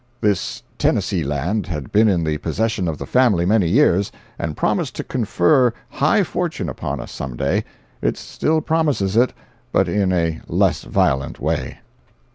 [This Tennessee land had been in the possession of the family many years, and promised to confer high fortune upon us some day; it still promises it, but in a less violent way.